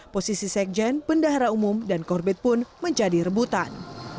posisi sekjen pendahara umum dan korbet pun menjadi rebutan